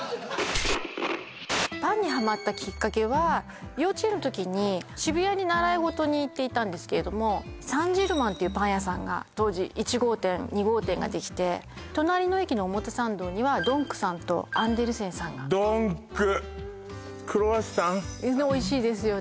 パンにハマったきっかけは幼稚園の時に渋谷に習い事に行っていたんですけれどもサンジェルマンっていうパン屋さんが当時１号店２号店ができて隣の駅の表参道にはドンクさんとアンデルセンさんがドンククロワッサンおいしいですよね